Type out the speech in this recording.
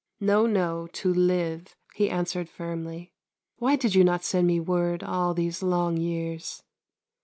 " No, no, to live," he answered firmly. " Why did you not send me word all these long years